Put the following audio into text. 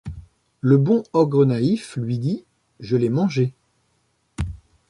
Le bon ogre naïf lui dit : Je l’ai mangé.